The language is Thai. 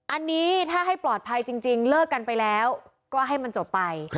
อันนี้ถ้าให้ปลอดภัยจริงเลิกกันไปแล้วก็ให้มันจบไป